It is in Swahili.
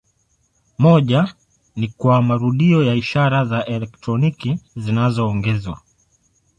Moja ni kwa marudio ya ishara za elektroniki zinazoongezwa.